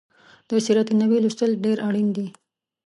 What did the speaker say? د سیرت النبي لوستل ډیر اړین دي